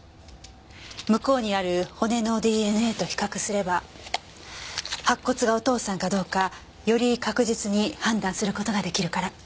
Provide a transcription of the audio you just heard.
向こうにある骨のＤＮＡと比較すれば白骨がお父さんかどうかより確実に判断する事が出来るから。